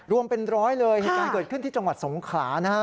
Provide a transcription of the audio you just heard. รวมเป็นร้อยเลยเหตุการณ์เกิดขึ้นที่จังหวัดสงขลานะฮะ